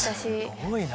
すごいな。